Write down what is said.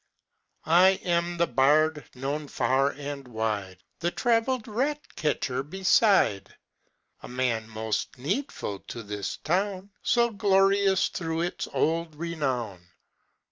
I AM the bard known far and wide, The travell'd rat catcher beside; A man most needful to this town, So glorious through its old renown.